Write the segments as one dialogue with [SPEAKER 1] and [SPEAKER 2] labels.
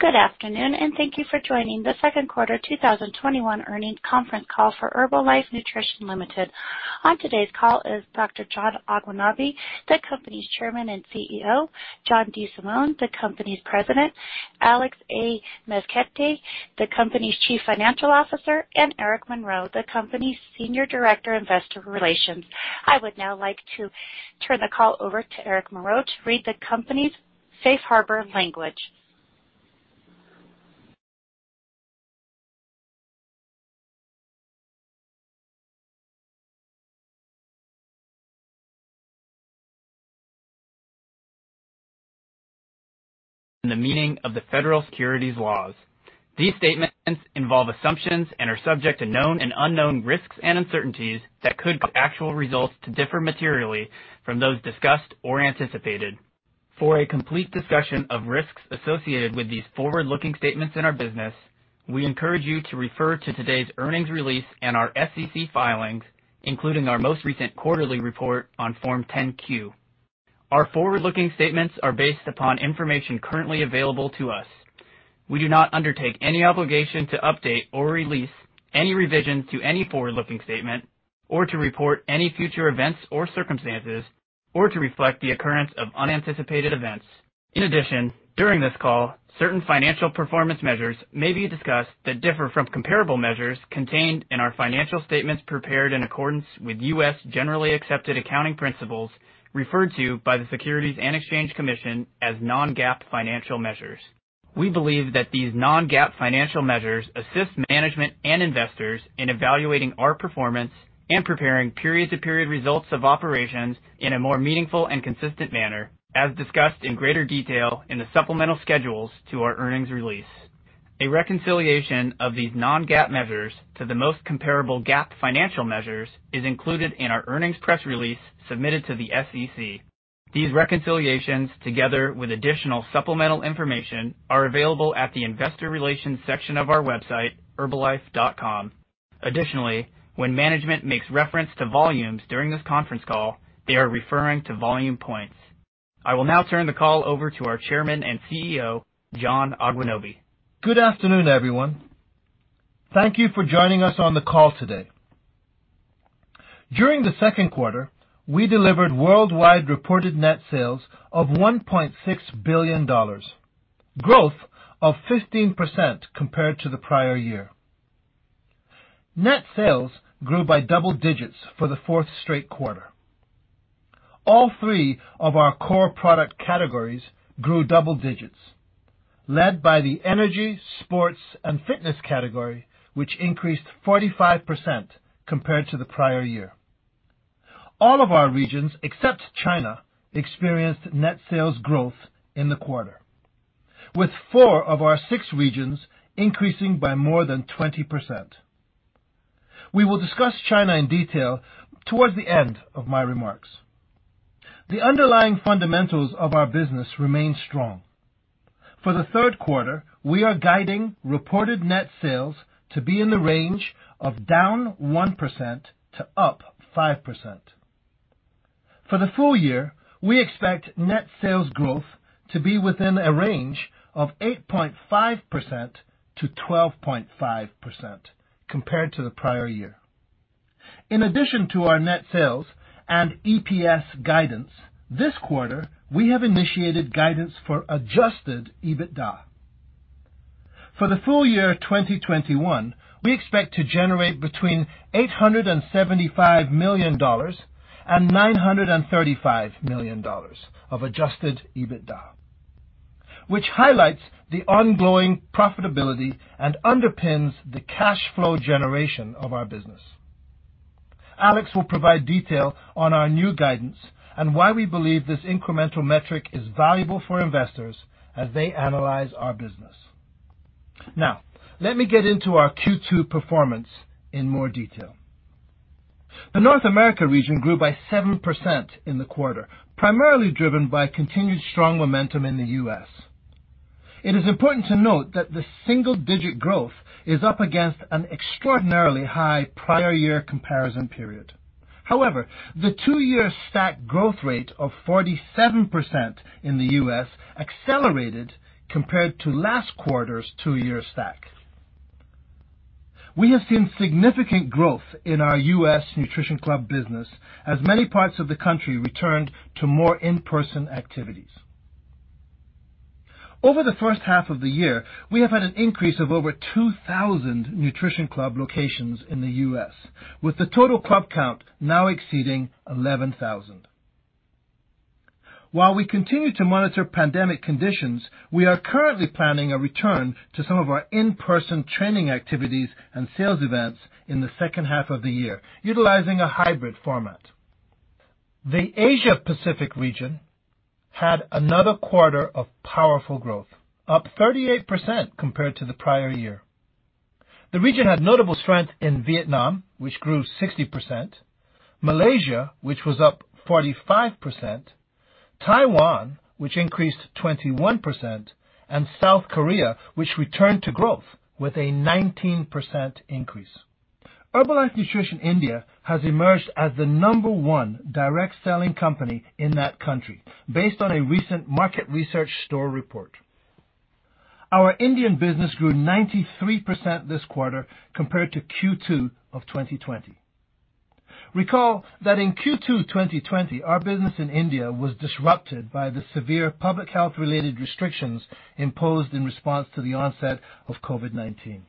[SPEAKER 1] Good afternoon. Thank you for joining the second quarter 2021 earnings conference call for Herbalife Nutrition Limited. On today's call is Dr. John Agwunobi, the company's Chairman and Chief Executive Officer, John DeSimone, the company's President, Alex Amezquita, the company's Chief Financial Officer, and Eric Monroe, the company's Senior Director, Investor Relations. I would now like to turn the call over to Eric Monroe to read the company's safe harbor language.
[SPEAKER 2] In the meaning of the federal securities laws. These statements involve assumptions and are subject to known and unknown risks and uncertainties that could cause actual results to differ materially from those discussed or anticipated. For a complete discussion of risks associated with these forward-looking statements in our business, we encourage you to refer to today's earnings release and our SEC filings, including our most recent quarterly report on Form 10-Q. Our forward-looking statements are based upon information currently available to us. We do not undertake any obligation to update or release any revision to any forward-looking statement or to report any future events or circumstances or to reflect the occurrence of unanticipated events. In addition, during this call, certain financial performance measures may be discussed that differ from comparable measures contained in our financial statements prepared in accordance with U.S. Generally Accepted Accounting Principles referred to by the Securities and Exchange Commission as non-GAAP financial measures. We believe that these non-GAAP financial measures assist management and investors in evaluating our performance and preparing period-to-period results of operations in a more meaningful and consistent manner, as discussed in greater detail in the supplemental schedules to our earnings release. A reconciliation of these non-GAAP measures to the most comparable GAAP financial measures is included in our earnings press release submitted to the SEC. These reconciliations, together with additional supplemental information, are available at the investor relations section of our website, ir.herbalife.com. Additionally, when management makes reference to volumes during this conference call, they are referring to Volume Points. I will now turn the call over to our Chairman and CEO, John Agwunobi.
[SPEAKER 3] Good afternoon, everyone. Thank you for joining us on the call today. During the second quarter, we delivered worldwide reported net sales of $1.6 billion, growth of 15% compared to the prior year. Net sales grew by double digits for the fourth straight quarter. All three of our core product categories grew double digits, led by the energy, sports, and fitness category, which increased 45% compared to the prior year. All of our regions, except China, experienced net sales growth in the quarter, with four of our six regions increasing by more than 20%. We will discuss China in detail towards the end of my remarks. The underlying fundamentals of our business remain strong. For the third quarter, we are guiding reported net sales to be in the range of down 1% to up 5%. For the full year, we expect net sales growth to be within a range of 8.5%-12.5% compared to the prior year. In addition to our net sales and EPS guidance, this quarter, we have initiated guidance for adjusted EBITDA. For the full year 2021, we expect to generate between $875 million and $935 million of adjusted EBITDA, which highlights the ongoing profitability and underpins the cash flow generation of our business. Alex will provide detail on our new guidance and why we believe this incremental metric is valuable for investors as they analyze our business. Now, let me get into our Q2 performance in more detail. The North America region grew by 7% in the quarter, primarily driven by continued strong momentum in the U.S. It is important to note that the single-digit growth is up against an extraordinarily high prior year comparison period. However, the two-year stack growth rate of 47% in the U.S. accelerated compared to last quarter's two-year stack. We have seen significant growth in our U.S. Nutrition Club business as many parts of the country returned to more in-person activities. Over the first half of the year, we have had an increase of over 2,000 Nutrition Club locations in the U.S., with the total club count now exceeding 11,000. While we continue to monitor pandemic conditions, we are currently planning a return to some of our in-person training activities and sales events in the second half of the year, utilizing a hybrid format. The Asia-Pacific region had another quarter of powerful growth, up 38% compared to the prior year. The region had notable strength in Vietnam, which grew 60%, Malaysia, which was up 45%, Taiwan, which increased 21%, and South Korea, which returned to growth with a 19% increase. Herbalife Nutrition India has emerged as the number one direct selling company in that country based on a recent market research store report. Our Indian business grew 93% this quarter compared to Q2 of 2020. Recall that in Q2 2020, our business in India was disrupted by the severe public health-related restrictions imposed in response to the onset of COVID-19.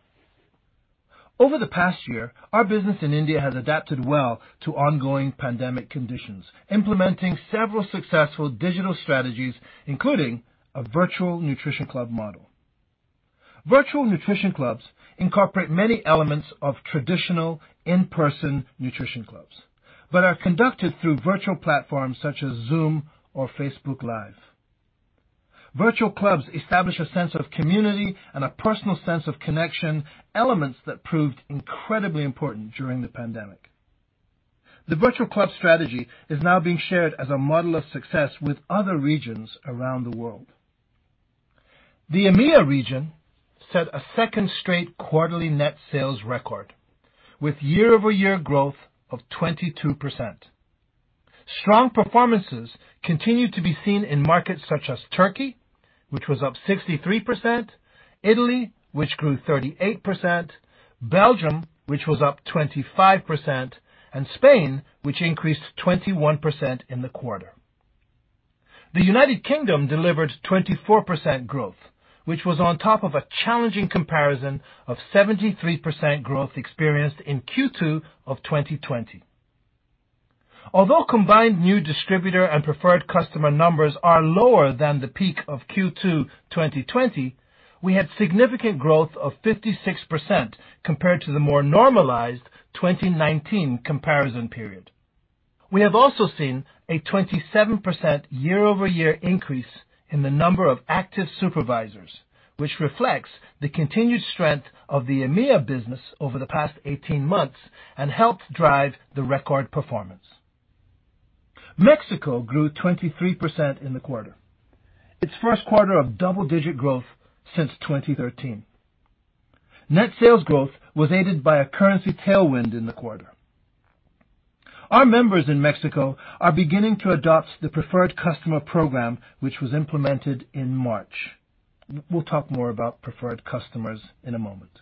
[SPEAKER 3] Over the past year, our business in India has adapted well to ongoing pandemic conditions, implementing several successful digital strategies, including a virtual Nutrition Club model. Virtual Nutrition Clubs incorporate many elements of traditional in-person Nutrition Clubs but are conducted through virtual platforms such as Zoom or Facebook Live. Virtual clubs establish a sense of community and a personal sense of connection, elements that proved incredibly important during the pandemic. The virtual club strategy is now being shared as a model of success with other regions around the world. The EMEA region set a second straight quarterly net sales record with year-over-year growth of 22%. Strong performances continued to be seen in markets such as Turkey, which was up 63%, Italy, which grew 38%, Belgium, which was up 25%, and Spain, which increased 21% in the quarter. The United Kingdom delivered 24% growth, which was on top of a challenging comparison of 73% growth experienced in Q2 2020. Although combined new distributor and Preferred Customer numbers are lower than the peak of Q2 2020, we had significant growth of 56% compared to the more normalized 2019 comparison period. We have also seen a 27% year-over-year increase in the number of active supervisors, which reflects the continued strength of the EMEA business over the past 18 months and helped drive the record performance. Mexico grew 23% in the quarter, its first quarter of double-digit growth since 2013. Net sales growth was aided by a currency tailwind in the quarter. Our members in Mexico are beginning to adopt the Preferred Customer program, which was implemented in March. We'll talk more about preferred customers in a moment.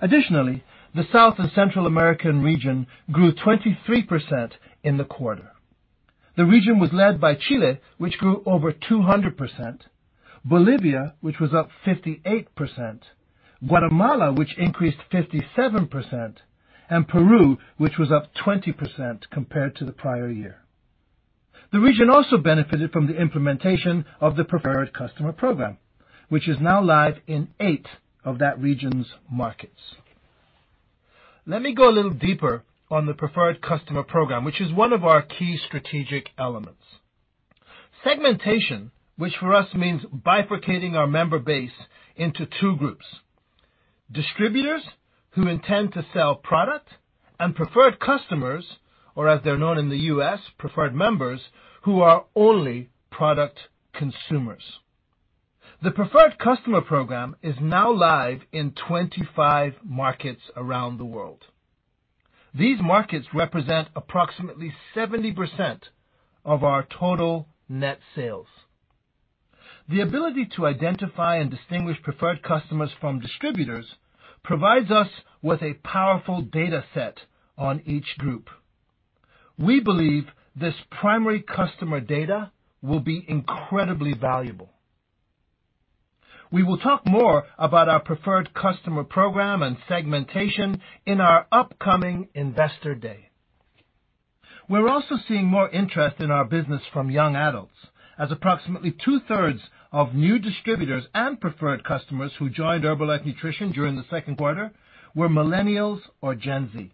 [SPEAKER 3] Additionally, the South and Central American region grew 23% in the quarter. The region was led by Chile, which grew over 200%, Bolivia, which was up 58%, Guatemala, which increased 57%, and Peru, which was up 20% compared to the prior year. The region also benefited from the implementation of the Preferred Customer program, which is now live in eight of that region's markets. Let me go a little deeper on the Preferred Customer program, which is one of our key strategic elements. Segmentation, which for us means bifurcating our member base into two groups, distributors who intend to sell product, and preferred customers, or as they're known in the U.S., preferred members, who are only product consumers. The Preferred Customer program is now live in 25 markets around the world. These markets represent approximately 70% of our total net sales. The ability to identify and distinguish preferred customers from distributors provides us with a powerful data set on each group. We believe this primary customer data will be incredibly valuable. We will talk more about our Preferred Customer program and segmentation in our upcoming Investor Day. We're also seeing more interest in our business from young adults as approximately two-thirds of new distributors and Preferred Customers who joined Herbalife Nutrition during the second quarter were millennials or Gen Z.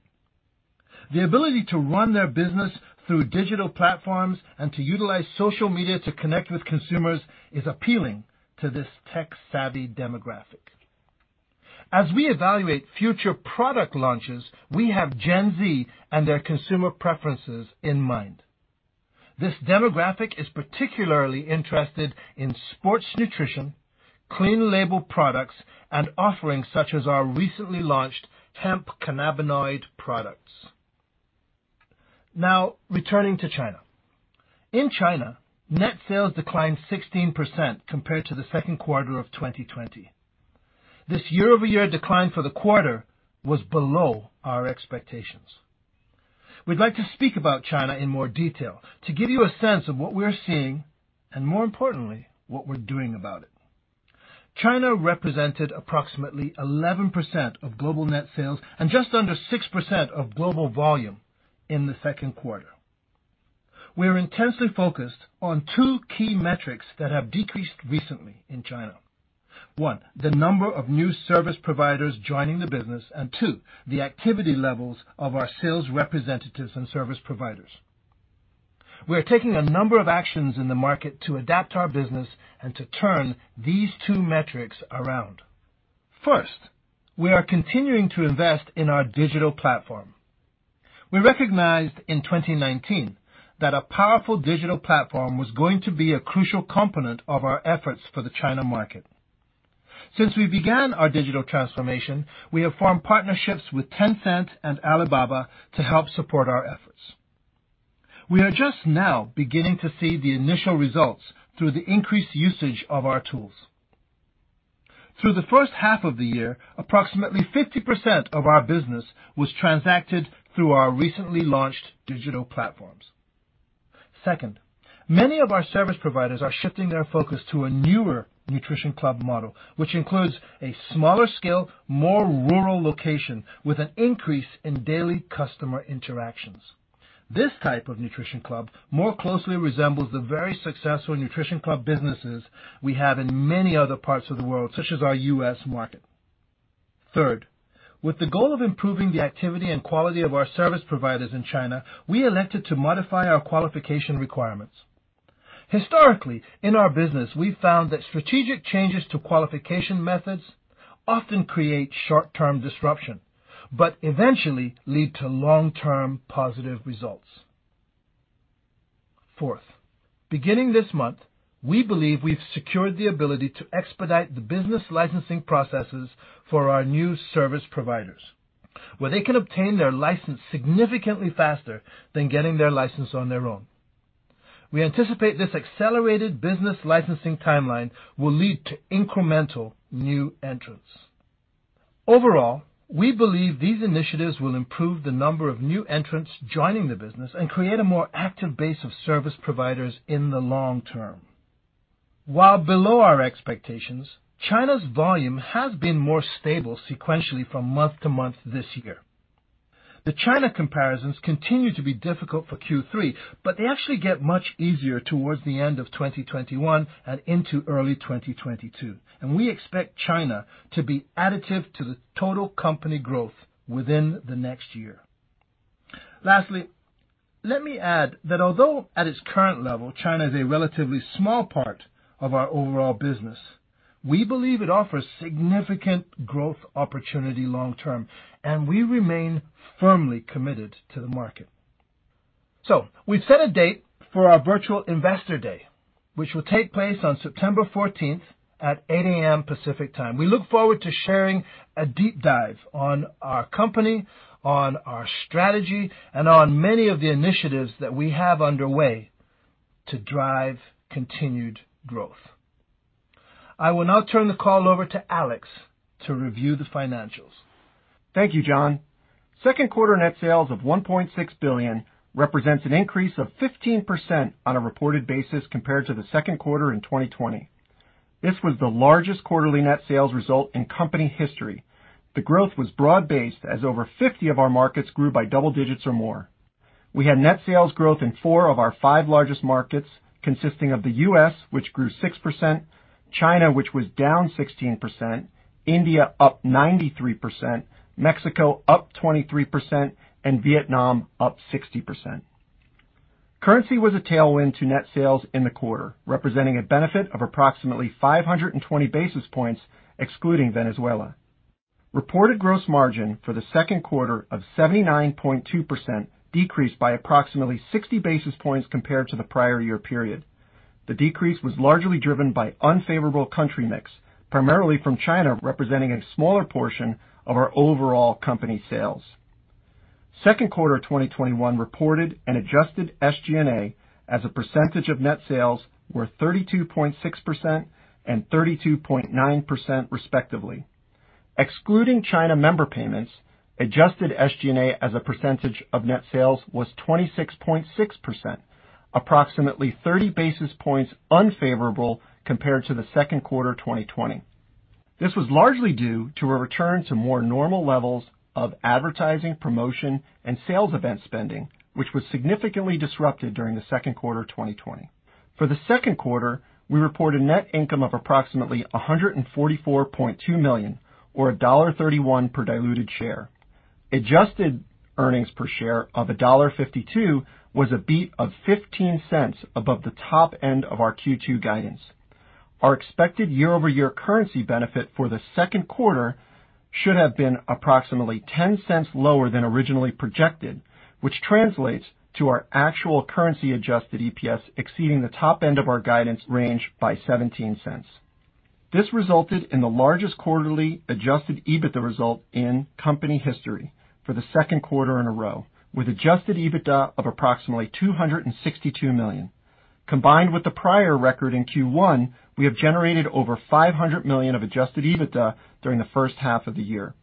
[SPEAKER 3] The ability to run their business through digital platforms and to utilize social media to connect with consumers is appealing to this tech-savvy demographic. As we evaluate future product launches, we have Gen Z and their consumer preferences in mind. This demographic is particularly interested in sports nutrition, clean label products, and offerings such as our recently launched hemp cannabinoid products. Now returning to China. In China, net sales declined 16% compared to the second quarter of 2020. This year-over-year decline for the quarter was below our expectations. We'd like to speak about China in more detail to give you a sense of what we're seeing and, more importantly, what we're doing about it. China represented approximately 11% of global net sales and just under 6% of global volume in the second quarter. We're intensely focused on two key metrics that have decreased recently in China. One, the number of new service providers joining the business, and two, the activity levels of our sales representatives and service providers. We're taking a number of actions in the market to adapt our business and to turn these two metrics around. First, we are continuing to invest in our digital platform. We recognized in 2019 that a powerful digital platform was going to be a crucial component of our efforts for the China market. Since we began our digital transformation, we have formed partnerships with Tencent and Alibaba to help support our efforts. We are just now beginning to see the initial results through the increased usage of our tools. Through the first half of the year, approximately 50% of our business was transacted through our recently launched digital platforms. Second, many of our service providers are shifting their focus to a newer Nutrition Club model, which includes a smaller scale, more rural location with an increase in daily customer interactions. This type of Nutrition Club more closely resembles the very successful Nutrition Club businesses we have in many other parts of the world, such as our U.S. market. Third, with the goal of improving the activity and quality of our service providers in China, we elected to modify our qualification requirements. Historically, in our business, we've found that strategic changes to qualification methods often create short-term disruption, but eventually lead to long-term positive results. Fourth, beginning this month, we believe we've secured the ability to expedite the business licensing processes for our new service providers, where they can obtain their license significantly faster than getting their license on their own. We anticipate this accelerated business licensing timeline will lead to incremental new entrants. Overall, we believe these initiatives will improve the number of new entrants joining the business and create a more active base of service providers in the long term. While below our expectations, China's volume has been more stable sequentially from month-to-month this year. The China comparisons continue to be difficult for Q3, but they actually get much easier towards the end of 2021 and into early 2022, and we expect China to be additive to the total company growth within the next year. Lastly, let me add that although at its current level, China is a relatively small part of our overall business, we believe it offers significant growth opportunity long term, and we remain firmly committed to the market. We've set a date for our virtual Investor Day, which will take place on September 14th at 8:00 A.M. Pacific Time. We look forward to sharing a deep dive on our company, on our strategy, and on many of the initiatives that we have underway to drive continued growth. I will now turn the call over to Alex to review the financials.
[SPEAKER 4] Thank you, John. Second quarter net sales of $1.6 billion represents an increase of 15% on a reported basis compared to the second quarter in 2020. This was the largest quarterly net sales result in company history. The growth was broad-based, as over 50 of our markets grew by double digits or more. We had net sales growth in four of our five largest markets, consisting of the U.S., which grew 6%, China, which was down 16%, India up 93%, Mexico up 23%, and Vietnam up 60%. Currency was a tailwind to net sales in the quarter, representing a benefit of approximately 520 basis points excluding Venezuela. Reported gross margin for the second quarter of 79.2% decreased by approximately 60 basis points compared to the prior year period. The decrease was largely driven by unfavorable country mix, primarily from China, representing a smaller portion of our overall company sales. Second quarter 2021 reported an adjusted SG&A as a percentage of net sales were 32.6% and 32.9%, respectively. Excluding China member payments, adjusted SG&A as a percentage of net sales was 26.6%, approximately 30 basis points unfavorable compared to the second quarter 2020. This was largely due to a return to more normal levels of advertising, promotion, and sales event spending, which was significantly disrupted during the second quarter 2020. For the second quarter, we reported net income of approximately $144.2 million, or $1.31 per diluted share. adjusted earnings per share of $1.52 was a beat of $0.15 above the top end of our Q2 guidance. Our expected year-over-year currency benefit for the second quarter should have been approximately $0.10 lower than originally projected, which translates to our actual currency adjusted EPS exceeding the top end of our guidance range by $0.17. This resulted in the largest quarterly adjusted EBITDA result in company history for the second quarter in a row, with adjusted EBITDA of approximately $262 million. Combined with the prior record in Q1, we have generated over $500 million of adjusted EBITDA during the first half of the year.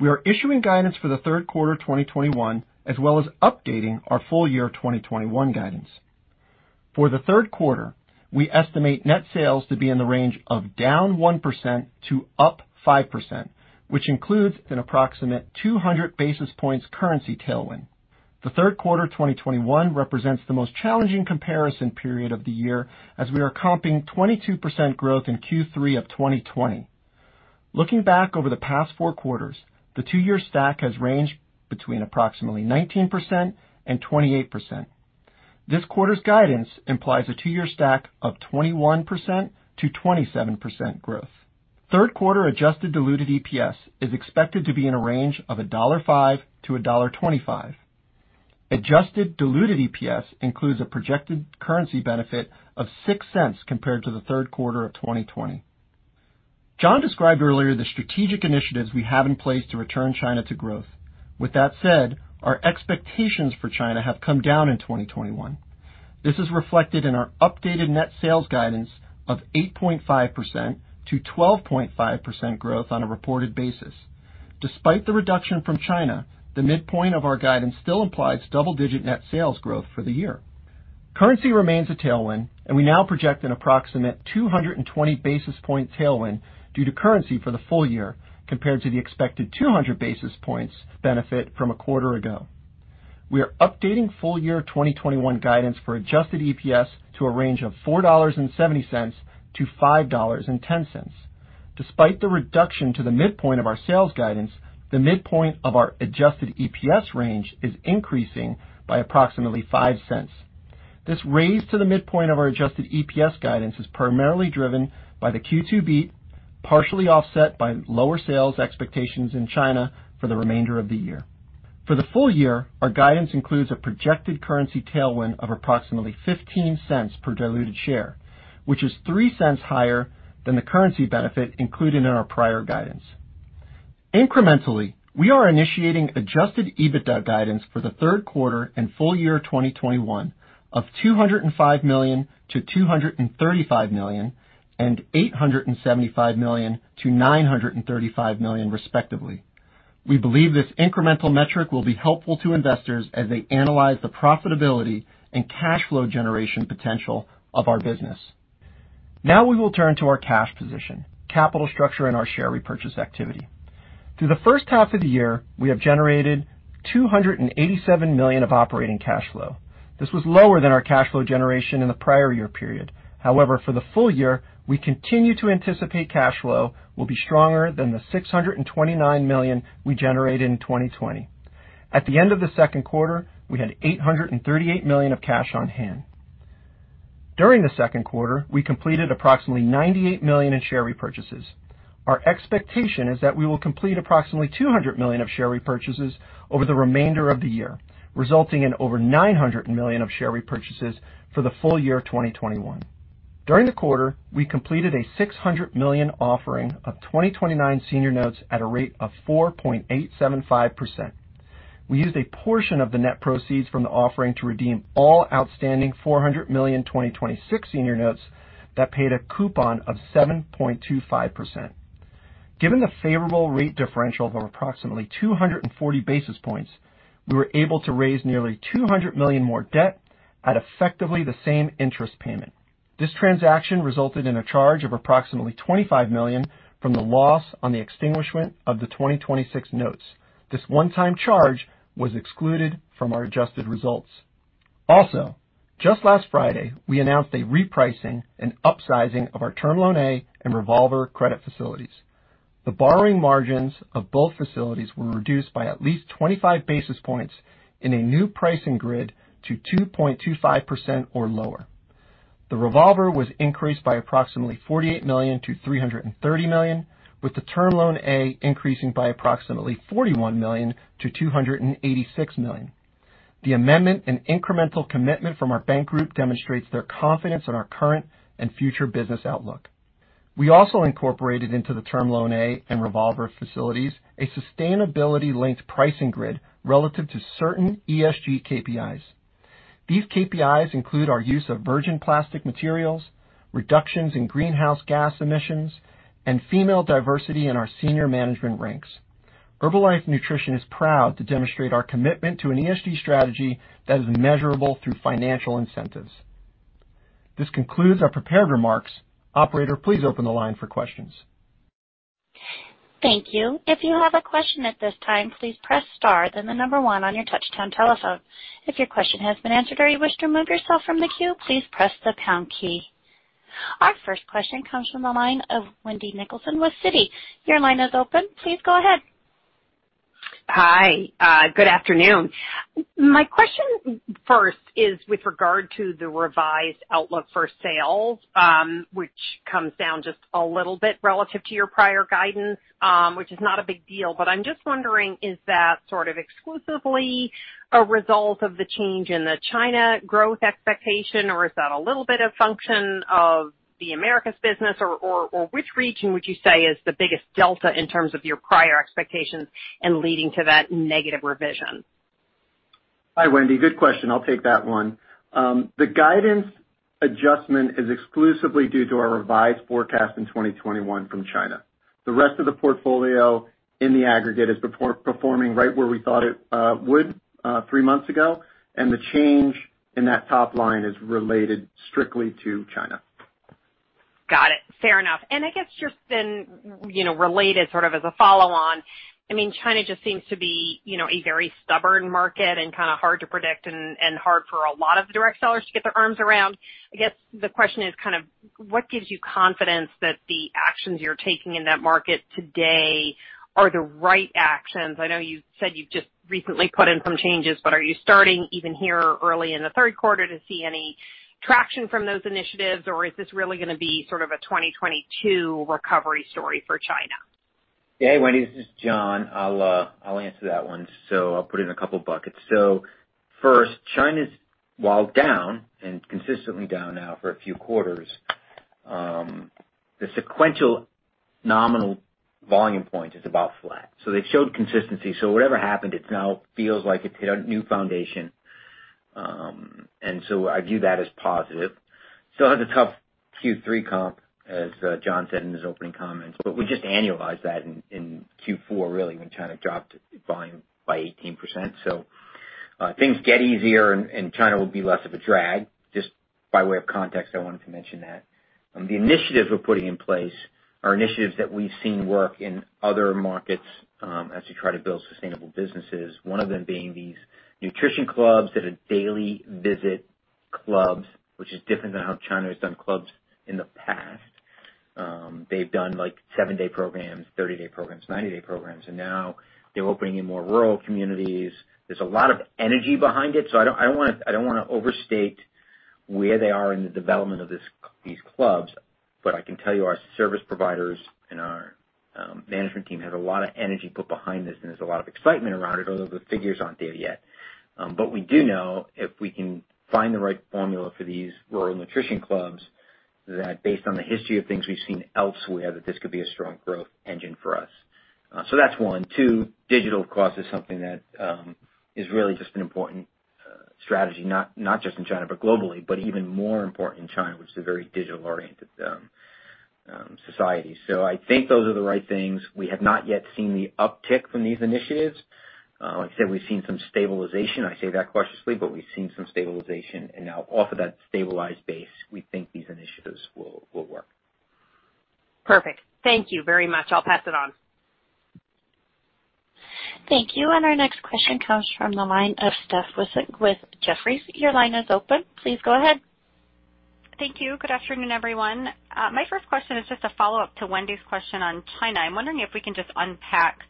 [SPEAKER 4] We are issuing guidance for the third quarter 2021, as well as updating our full year 2021 guidance. For the third quarter, we estimate net sales to be in the range of down 1% to up 5%, which includes an approximate 200 basis points currency tailwind. The third quarter 2021 represents the most challenging comparison period of the year, as we are comping 22% growth in Q3 of 2020. Looking back over the past four quarters, the two-year stack has ranged between approximately 19% and 28%. This quarter's guidance implies a two-year stack of 21%-27% growth. Third quarter adjusted diluted EPS is expected to be in a range of $1.05-$1.25. Adjusted diluted EPS includes a projected currency benefit of $0.06 compared to the third quarter of 2020. John described earlier the strategic initiatives we have in place to return China to growth. That said, our expectations for China have come down in 2021. This is reflected in our updated net sales guidance of 8.5%-12.5% growth on a reported basis. Despite the reduction from China, the midpoint of our guidance still implies double-digit net sales growth for the year. Currency remains a tailwind. We now project an approximate 220 basis point tailwind due to currency for the full year, compared to the expected 200 basis points benefit from a quarter ago. We are updating full-year 2021 guidance for adjusted EPS to a range of $4.70-$5.10. Despite the reduction to the midpoint of our sales guidance, the midpoint of our adjusted EPS range is increasing by approximately $0.05. This raise to the midpoint of our adjusted EPS guidance is primarily driven by the Q2 beat, partially offset by lower sales expectations in China for the remainder of the year. For the full year, our guidance includes a projected currency tailwind of approximately $0.15 per diluted share, which is $0.03 higher than the currency benefit included in our prior guidance. Incrementally, we are initiating adjusted EBITDA guidance for the third quarter and full year 2021 of $205 million-$235 million and $875 million-$935 million, respectively. We believe this incremental metric will be helpful to investors as they analyze the profitability and cash flow generation potential of our business. We will turn to our cash position, capital structure, and our share repurchase activity. Through the first half of the year, we have generated $287 million of operating cash flow. This was lower than our cash flow generation in the prior year period. For the full year, we continue to anticipate cash flow will be stronger than the $629 million we generated in 2020. At the end of the second quarter, we had $838 million of cash on hand. During the second quarter, we completed approximately $98 million in share repurchases. Our expectation is that we will complete approximately $200 million of share repurchases over the remainder of the year, resulting in over $900 million of share repurchases for the full year 2021. During the quarter, we completed a $600 million offering of 2029 senior notes at a rate of 4.875%. We used a portion of the net proceeds from the offering to redeem all outstanding $400 million 2026 senior notes that paid a coupon of 7.25%. Given the favorable rate differential of approximately 240 basis points, we were able to raise nearly $200 million more debt at effectively the same interest payment. This transaction resulted in a charge of approximately $25 million from the loss on the extinguishment of the 2026 notes. This one-time charge was excluded from our adjusted results. Also, just last Friday, we announced a repricing and upsizing of our Term Loan A and revolver credit facilities. The borrowing margins of both facilities were reduced by at least 25 basis points in a new pricing grid to 2.25% or lower. The revolver was increased by approximately $48 million-$330 million, with the Term Loan A increasing by approximately $41 million-$286 million. The amendment and incremental commitment from our bank group demonstrates their confidence in our current and future business outlook. We also incorporated into the Term Loan A and revolver facilities a sustainability linked pricing grid relative to certain ESG KPIs. These KPIs include our use of virgin plastic materials, reductions in greenhouse gas emissions, and female diversity in our senior management ranks. Herbalife Nutrition is proud to demonstrate our commitment to an ESG strategy that is measurable through financial incentives. This concludes our prepared remarks. Operator, please open the line for questions.
[SPEAKER 1] Thank you. If you have a question at this time, please press star then the number one on your touchtone telephone. If your question has been answered or you wish to remove yourself from the queue, please press the pound key. Our first question comes from the line of Wendy Nicholson with Citi. Your line is open. Please go ahead.
[SPEAKER 5] Hi. Good afternoon. My question first is with regard to the revised outlook for sales, which comes down just a little bit relative to your prior guidance, which is not a big deal. I'm just wondering, is that sort of exclusively a result of the change in the China growth expectation, or is that a little bit a function of the Americas business or which region would you say is the biggest delta in terms of your prior expectations and leading to that negative revision?
[SPEAKER 4] Hi, Wendy. Good question. I'll take that one. The guidance adjustment is exclusively due to our revised forecast in 2021 from China. The rest of the portfolio in the aggregate is performing right where we thought it would three months ago, and the change in that top line is related strictly to China.
[SPEAKER 5] Got it. Fair enough. I guess just related sort of as a follow-on, China just seems to be a very stubborn market and kind of hard to predict and hard for a lot of the direct sellers to get their arms around. I guess the question is kind of what gives you confidence that the actions you're taking in that market today are the right actions? I know you said you've just recently put in some changes, are you starting even here early in the third quarter to see any traction from those initiatives, or is this really going to be sort of a 2022 recovery story for China?
[SPEAKER 6] Yeah, Wendy, this is John. I'll answer that one. I'll put it in a couple of buckets. First, China's, while down and consistently down now for a few quarters, the sequential nominal Volume Point is about flat. They've showed consistency. I view that as positive. Still has a tough Q3 comp, as John said in his opening comments, we just annualized that in Q4, really, when China dropped volume by 18%. Things get easier, China will be less of a drag. Just by way of context, I wanted to mention that. The initiatives we're putting in place are initiatives that we've seen work in other markets as we try to build sustainable businesses. One of them being these Nutrition Clubs that are daily visit clubs, which is different than how China has done clubs in the past. They've done seven-day programs, 30-day programs, 90-day programs, and now they're opening in more rural communities. There's a lot of energy behind it. I don't want to overstate where they are in the development of these clubs. I can tell you our service providers and our management team have a lot of energy put behind this, and there's a lot of excitement around it, although the figures aren't there yet. We do know if we can find the right formula for these rural Nutrition Clubs, that based on the history of things we've seen elsewhere, that this could be a strong growth engine for us. That's one. Two, digital, of course, is something that is really just an important strategy, not just in China but globally, but even more important in China, which is a very digital-oriented society. I think those are the right things. We have not yet seen the uptick from these initiatives. Like I said, we've seen some stabilization. I say that cautiously, but we've seen some stabilization. Now off of that stabilized base, we think these initiatives will work.
[SPEAKER 5] Perfect. Thank you very much. I'll pass it on.
[SPEAKER 1] Thank you. Our next question comes from the line of Steph Wissink with Jefferies. Your line is open. Please go ahead.
[SPEAKER 7] Thank you. Good afternoon, everyone. My first question is just a follow-up to Wendy's question on China. I am wondering if we can just unpack a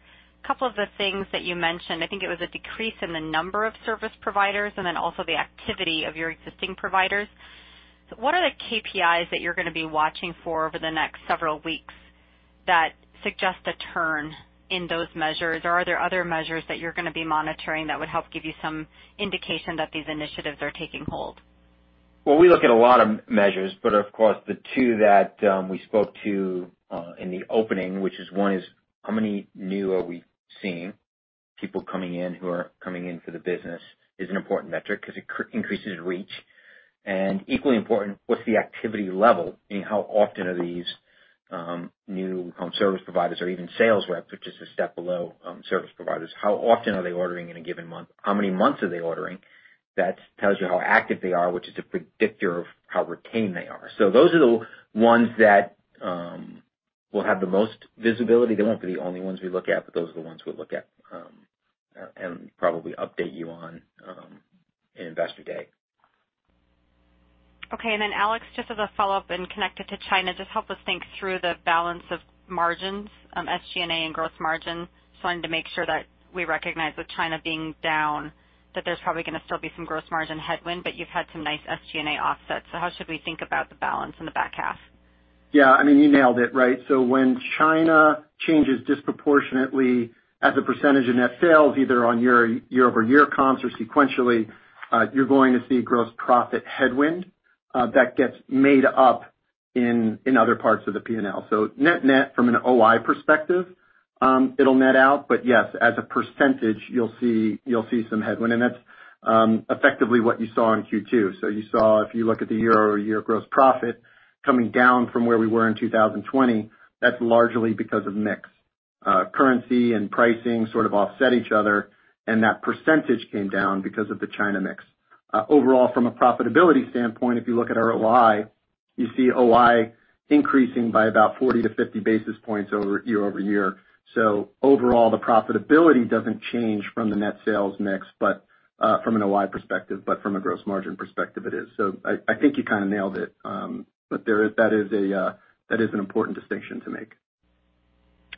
[SPEAKER 7] couple of the things that you mentioned. I think it was a decrease in the number of service providers and then also the activity of your existing providers. What are the KPIs that you are going to be watching for over the next several weeks that suggest a turn in those measures? Or are there other measures that you are going to be monitoring that would help give you some indication that these initiatives are taking hold?
[SPEAKER 6] Well, we look at a lot of measures, of course, the two that we spoke to in the opening, which is one is how many new are we seeing, people coming in who are coming in for the business is an important metric because it increases reach. Equally important, what's the activity level in how often are these new home service providers or even sales reps, which is a step below service providers, how often are they ordering in a given month? How many months are they ordering? That tells you how active they are, which is a predictor of how retained they are. Those are the ones that will have the most visibility. They won't be the only ones we look at, those are the ones we look at and probably update you on in Investor Day.
[SPEAKER 7] Okay. Alex, just as a follow-up and connected to China, just help us think through the balance of margins, SG&A and gross margin? Just wanted to make sure that we recognize with China being down, that there's probably gonna still be some gross margin headwind, but you've had some nice SG&A offsets. How should we think about the balance in the back half?
[SPEAKER 4] Yeah, you nailed it. When China changes disproportionately as a percentage of net sales, either on year-over-year comps or sequentially, you're going to see gross profit headwind that gets made up in other parts of the P&L. Net net from an OI perspective, it'll net out, but yes, as a percentage, you'll see some headwind, and that's effectively what you saw in Q2. You saw, if you look at the year-over-year gross profit coming down from where we were in 2020, that's largely because of mix. Currency and pricing sort of offset each other, and that percentage came down because of the China mix. Overall, from a profitability standpoint, if you look at our OI, you see OI increasing by about 40-50 basis points year-over-year. Overall, the profitability doesn't change from the net sales mix from an OI perspective. From a gross margin perspective, it is. I think you kind of nailed it. That is an important distinction to make.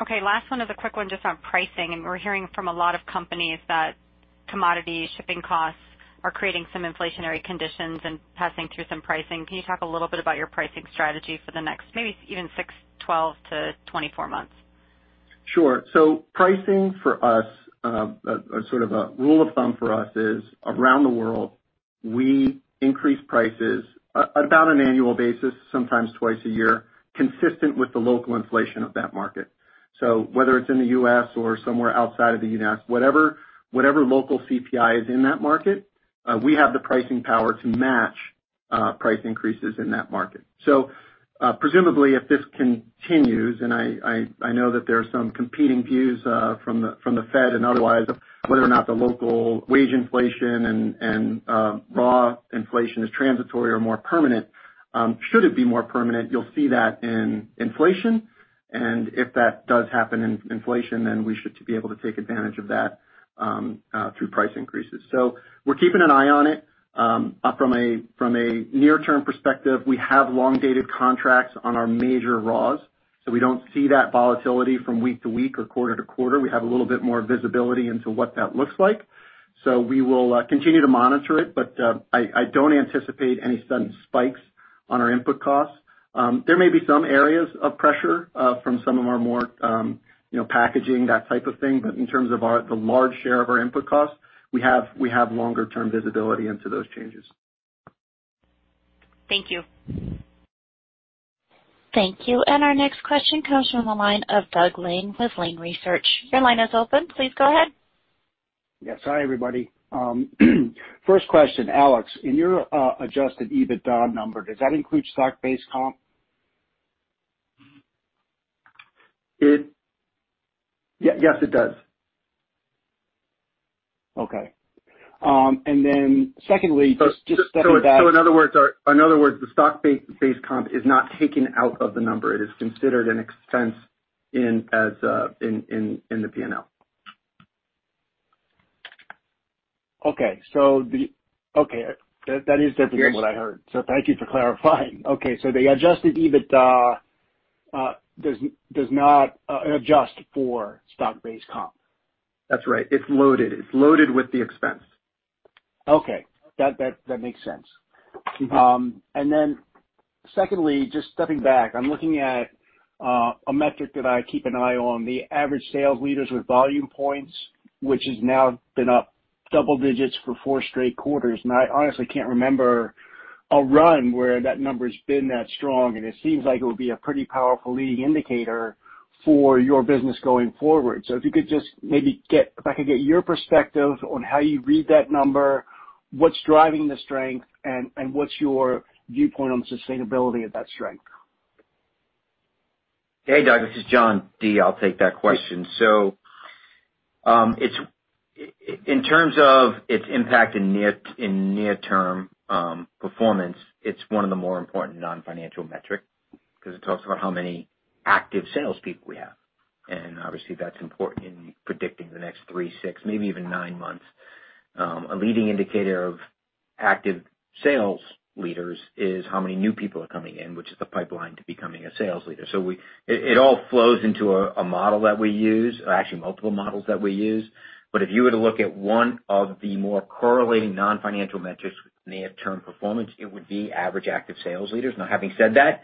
[SPEAKER 7] Okay, last one is a quick one just on pricing, and we're hearing from a lot of companies that commodity shipping costs are creating some inflationary conditions and passing through some pricing. Can you talk a little bit about your pricing strategy for the next maybe even six, 12 to 24 months?
[SPEAKER 4] Sure. Pricing for us, sort of a rule of thumb for us is around the world, we increase prices on about an annual basis, sometimes twice a year, consistent with the local inflation of that market. Whether it's in the U.S. or somewhere outside of the U.S., whatever local CPI is in that market, we have the pricing power to match price increases in that market. Presumably, if this continues, and I know that there are some competing views from the Fed and otherwise of whether or not the local wage inflation and raw inflation is transitory or more permanent. Should it be more permanent, you'll see that in inflation, and if that does happen in inflation, then we should be able to take advantage of that through price increases. We're keeping an eye on it. From a near-term perspective, we have long-dated contracts on our major raws, so we don't see that volatility from week to week or quarter to quarter. We have a little bit more visibility into what that looks like. We will continue to monitor it, but I don't anticipate any sudden spikes on our input costs. There may be some areas of pressure from some of our more packaging, that type of thing. In terms of the large share of our input costs, we have longer term visibility into those changes.
[SPEAKER 7] Thank you.
[SPEAKER 1] Thank you. Our next question comes from the line of Doug Lane with Lane Research. Your line is open. Please go ahead.
[SPEAKER 8] Yes. Hi, everybody. First question, Alex, in your adjusted EBITDA number, does that include stock-based comp?
[SPEAKER 4] Yes, it does.
[SPEAKER 8] Okay. secondly, just stepping back.
[SPEAKER 4] In other words, the stock-based comp is not taken out of the number. It is considered an expense in the P&L.
[SPEAKER 8] Okay. That is definitely what I heard. Thank you for clarifying. Okay, the adjusted EBITDA does not adjust for stock-based comp.
[SPEAKER 4] That's right. It's loaded. It's loaded with the expense.
[SPEAKER 8] Okay. That makes sense. Secondly, just stepping back, I'm looking at a metric that I keep an eye on, the average sales leaders with Volume Points, which has now been up double digits for four straight quarters. I honestly can't remember a run where that number's been that strong, and it seems like it would be a pretty powerful leading indicator for your business going forward. If I could get your perspective on how you read that number, what's driving the strength, and what's your viewpoint on the sustainability of that strength?
[SPEAKER 6] Hey, Doug, this is John D. I'll take that question. In terms of its impact in near-term performance, it's one of the more important non-financial metric because it tells about how many active salespeople we have. Obviously, that's important in predicting the next three, six, maybe even nine months. A leading indicator of active sales leaders is how many new people are coming in, which is the pipeline to becoming a sales leader. It all flows into a model that we use, or actually multiple models that we use. If you were to look at one of the more correlating non-financial metrics with near-term performance, it would be average active sales leaders. Now, having said that,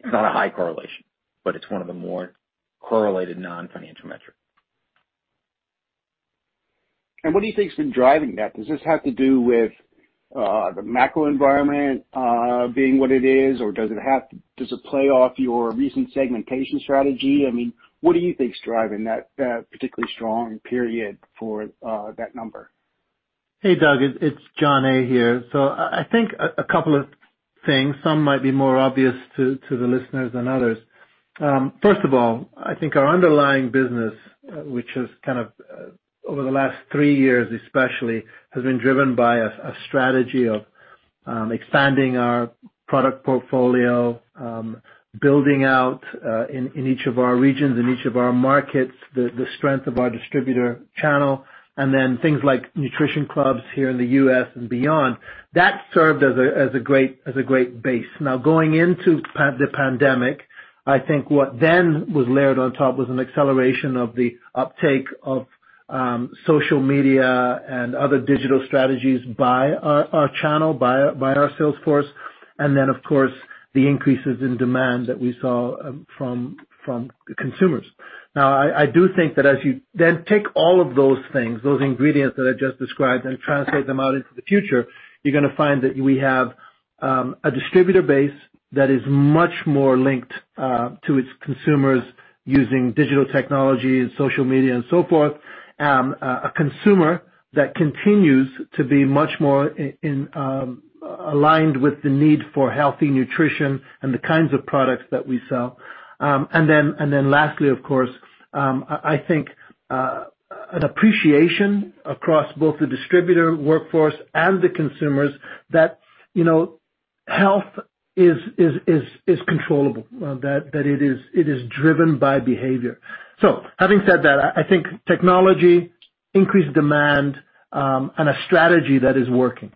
[SPEAKER 6] it's not a high correlation, but it's one of the more correlated non-financial metric.
[SPEAKER 8] What do you think's been driving that? Does this have to do with the macro environment being what it is, or does it play off your recent segmentation strategy? What do you think is driving that particularly strong period for that number?
[SPEAKER 3] Hey, Doug, it's John A. here. I think a couple of things. Some might be more obvious to the listeners than others. First of all, I think our underlying business, which is over the last three years especially, has been driven by a strategy of expanding our product portfolio, building out, in each of our regions, in each of our markets, the strength of our distributor channel, and then things like Nutrition Clubs here in the U.S. and beyond. That served as a great base. Going into the pandemic, I think what then was layered on top was an acceleration of the uptake of social media and other digital strategies by our channel, by our sales force, and then, of course, the increases in demand that we saw from consumers. Now, I do think that as you then take all of those things, those ingredients that I just described, and translate them out into the future, you're going to find that we have a distributor base that is much more linked to its consumers using digital technology and social media and so forth. A consumer that continues to be much more aligned with the need for healthy nutrition and the kinds of products that we sell. Lastly, of course, I think, an appreciation across both the distributor workforce and the consumers that health is controllable, that it is driven by behavior. Having said that, I think technology, increased demand, and a strategy that is working.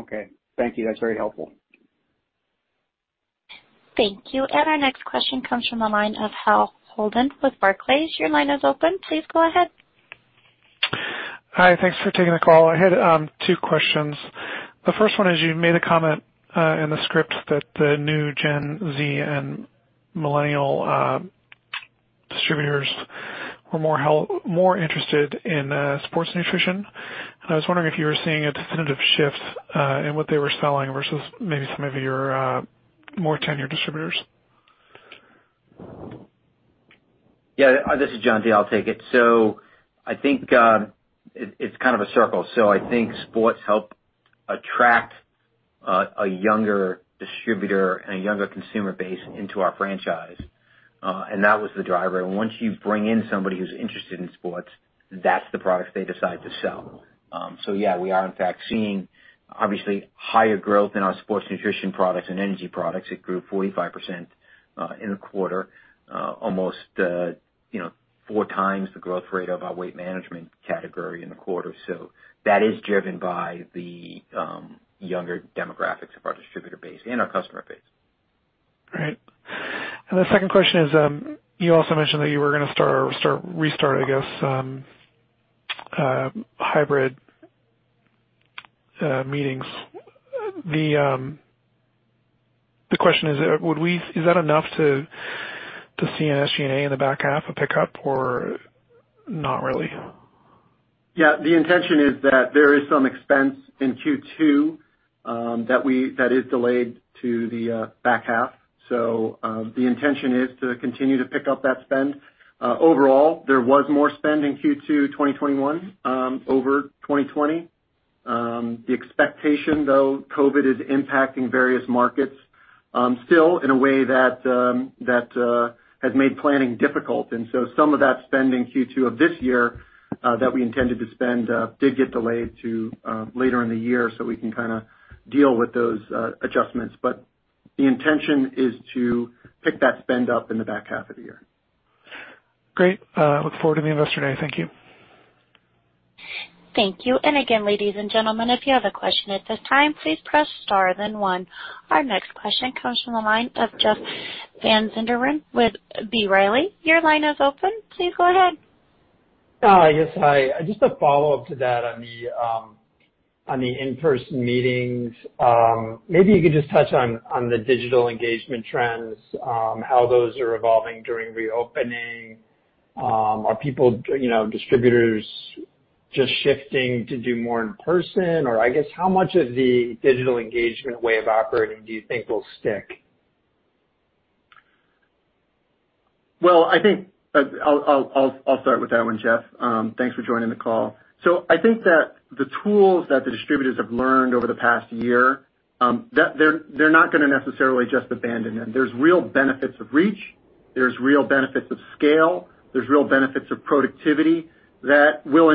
[SPEAKER 8] Okay. Thank you. That's very helpful.
[SPEAKER 1] Thank you. Our next question comes from the line of Hale Holden with Barclays. Your line is open. Please go ahead.
[SPEAKER 9] Hi. Thanks for taking the call. I had two questions. The first one is, you made a comment in the script that the new Gen Z and millennial distributors were more interested in sports nutrition. I was wondering if you were seeing a definitive shift in what they were selling versus maybe some of your more tenured distributors.
[SPEAKER 6] Yeah. This is John D., I'll take it. I think it's kind of a circle. I think sports help attract a younger distributor and a younger consumer base into our franchise. That was the driver. Once you bring in somebody who's interested in sports, that's the product they decide to sell. Yeah, we are in fact seeing, obviously, higher growth in our sports nutrition products and energy products. It grew 45% in the quarter, almost four times the growth rate of our weight management category in the quarter. That is driven by the younger demographics of our distributor base and our customer base.
[SPEAKER 9] Right. The second question is, you also mentioned that you were going to restart, I guess, hybrid meetings. The question is that enough to see an SG&A in the back half a pickup or not really?
[SPEAKER 4] The intention is that there is some expense in Q2 that is delayed to the back half. The intention is to continue to pick up that spend. Overall, there was more spend in Q2 2021 over 2020. The expectation, though, COVID is impacting various markets still in a way that has made planning difficult. Some of that spend in Q2 of this year that we intended to spend did get delayed to later in the year, so we can kind of deal with those adjustments. The intention is to pick that spend up in the back half of the year.
[SPEAKER 9] Great. Look forward to the Investor Day. Thank you.
[SPEAKER 1] Thank you. Again, ladies and gentlemen, if you have a question at this time, please press star then one. Our next question comes from the line of Jeff Van Sinderen with B. Riley, your line is open. Please go ahead.
[SPEAKER 10] Hi. Just a follow-up to that on the in-person meetings. Maybe you could just touch on the digital engagement trends, how those are evolving during reopening. Are distributors just shifting to do more in person, or I guess, how much of the digital engagement way of operating do you think will stick?
[SPEAKER 4] Well, I'll start with that one, Jeff. Thanks for joining the call. I think that the tools that the distributors have learned over the past year, they're not going to necessarily just abandon them. There's real benefits of reach, there's real benefits of scale, there's real benefits of productivity that will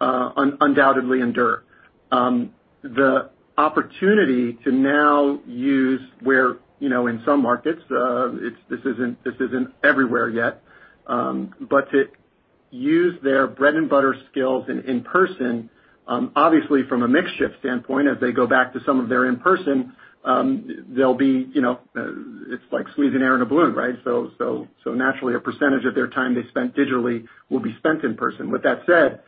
[SPEAKER 4] undoubtedly endure. The opportunity to now use where, in some markets, this isn't everywhere yet, but to use their bread and butter skills in person. Obviously, from a mix-shift standpoint, as they go back to some of their in-person, it's like squeezing air in a balloon, right? Naturally, a percentage of their time they spent digitally will be spent in person. With that said,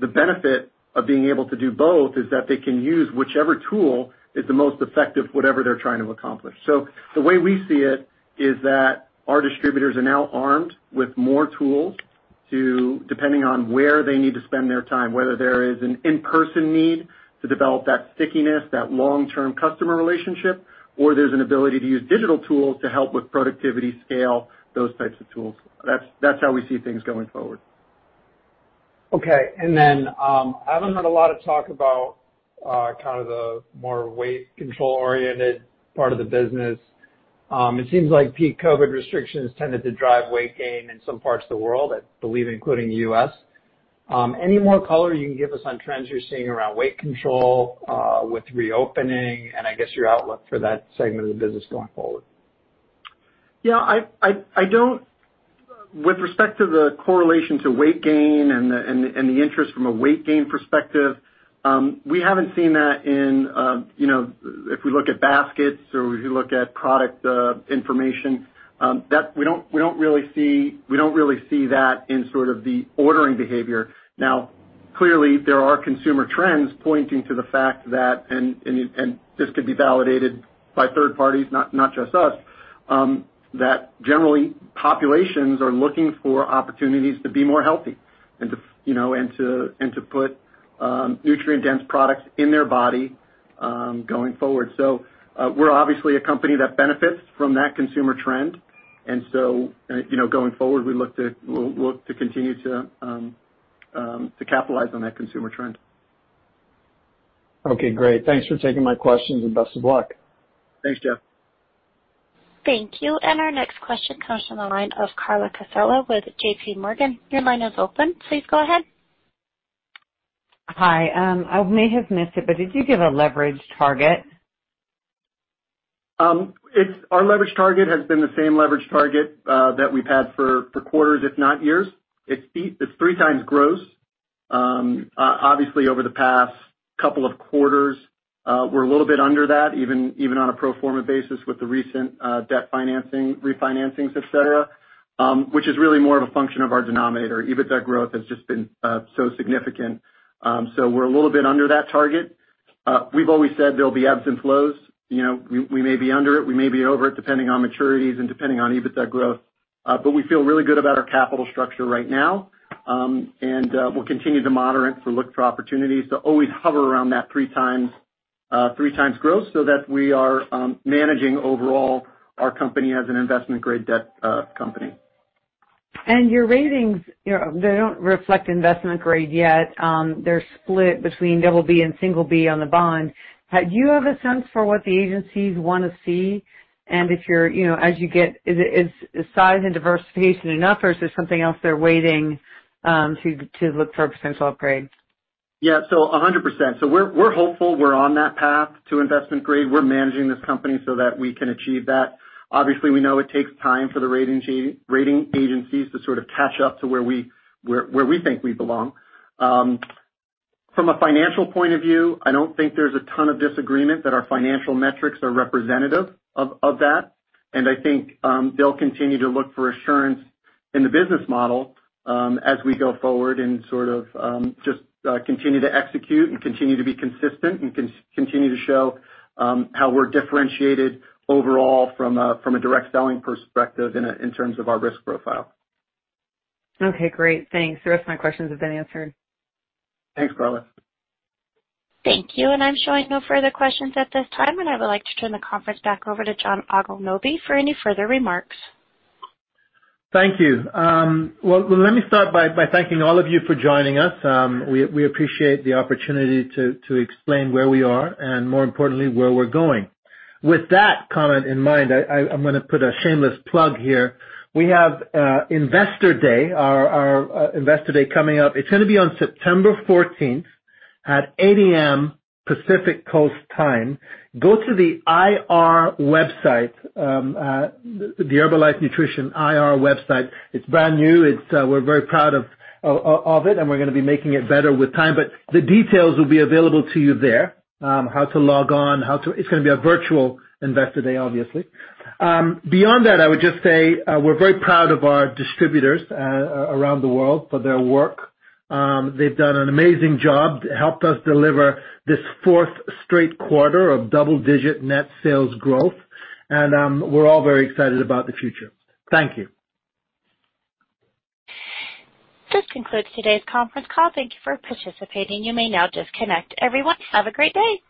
[SPEAKER 4] the benefit of being able to do both is that they can use whichever tool is the most effective, whatever they're trying to accomplish. The way we see it is that our distributors are now armed with more tools, depending on where they need to spend their time, whether there is an in-person need to develop that stickiness, that long-term customer relationship, or there's an ability to use digital tools to help with productivity scale, those types of tools. That's how we see things going forward.
[SPEAKER 10] Okay. I haven't heard a lot of talk about kind of the more weight control-oriented part of the business. It seems like peak COVID restrictions tended to drive weight gain in some parts of the world, I believe, including the U.S. Any more color you can give us on trends you're seeing around weight control with reopening, and I guess your outlook for that segment of the business going forward?
[SPEAKER 4] Yeah. With respect to the correlation to weight gain and the interest from a weight gain perspective, we haven't seen that in, if we look at baskets or if you look at product information, we don't really see that in sort of the ordering behavior. Clearly, there are consumer trends pointing to the fact that, and this could be validated by third parties, not just us, that generally populations are looking for opportunities to be more healthy and to put nutrient-dense products in their body going forward. We're obviously a company that benefits from that consumer trend. Going forward, we look to continue to capitalize on that consumer trend.
[SPEAKER 10] Okay, great. Thanks for taking my questions and best of luck.
[SPEAKER 4] Thanks, Jeff.
[SPEAKER 1] Thank you. Our next question comes from the line of Carla Casella with JPMorgan. Your line is open. Please go ahead.
[SPEAKER 11] Hi. I may have missed it, but did you give a leverage target?
[SPEAKER 4] Our leverage target has been the same leverage target that we've had for quarters, if not years. It's three times gross. Obviously, over the past couple of quarters, we're a little bit under that, even on a pro forma basis with the recent debt refinancing, et cetera, which is really more of a function of our denominator. EBITDA growth has just been so significant. We're a little bit under that target. We've always said there'll be ebbs and flows. We may be under it, we may be over it, depending on maturities and depending on EBITDA growth. We feel really good about our capital structure right now. We'll continue to moderate and look for opportunities to always hover around that three times gross so that we are managing overall our company as an investment-grade debt company.
[SPEAKER 11] Your ratings, they don't reflect investment grade yet. They're split between double B and single B on the bond. Do you have a sense for what the agencies want to see? Is size and diversification enough or is there something else they're waiting to look for a potential upgrade?
[SPEAKER 4] Yeah. 100%. We're hopeful we're on that path to investment grade. We're managing this company so that we can achieve that. Obviously, we know it takes time for the rating agencies to sort of catch up to where we think we belong. From a financial point of view, I don't think there's a ton of disagreement that our financial metrics are representative of that. I think they'll continue to look for assurance in the business model as we go forward and sort of just continue to execute and continue to be consistent and continue to show how we're differentiated overall from a direct selling perspective in terms of our risk profile.
[SPEAKER 11] Okay, great. Thanks. The rest of my questions have been answered.
[SPEAKER 4] Thanks, Carla.
[SPEAKER 1] Thank you. I'm showing no further questions at this time, and I would like to turn the conference back over to John Agwunobi for any further remarks.
[SPEAKER 3] Thank you. Well, let me start by thanking all of you for joining us. We appreciate the opportunity to explain where we are and more importantly, where we're going. With that comment in mind, I'm going to put a shameless plug here. We have our Investor Day coming up. It's going to be on September 14th at 8:00 A.M. Pacific Coast Time. Go to the IR website, the Herbalife Nutrition IR website. It's brand new. We're very proud of it, and we're going to be making it better with time. The details will be available to you there. How to log on. It's going to be a virtual Investor Day, obviously. Beyond that, I would just say we're very proud of our distributors around the world for their work. They've done an amazing job, helped us deliver this fourth straight quarter of double-digit net sales growth, and we're all very excited about the future. Thank you.
[SPEAKER 1] This concludes today's conference call. Thank Thank you for participating. You may now disconnect. Everyone, have a great day.